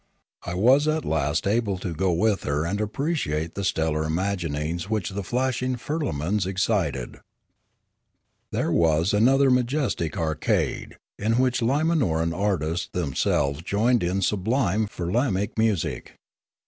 I was at last able to go with her and appreciate the stellar imaginings which the flashing firlamans excited. There was another majestic arcade, in which Lima noran artists themselves joined in sublime firlamaic music.